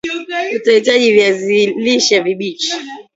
utahitajia Viazi lishe vibichi